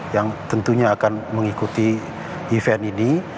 yang tentunya akan mengikuti event ini